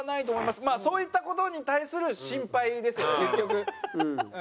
まあそういった事に対する心配ですよね結局。